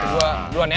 itu gue duluan ya